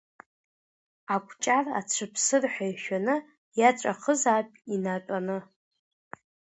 Акәҷар ацәыԥсыр ҳәа ишәаны, иаҵәахызаап инатәаны.